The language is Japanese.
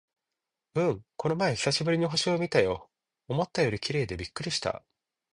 うん、この前久しぶりに星を見たよ。思ったより綺麗でびっくりした！